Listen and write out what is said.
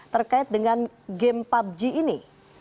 terkait dengan game pubg ini